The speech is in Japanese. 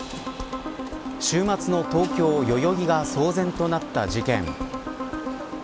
週末の東京、代々木が騒然となった事件。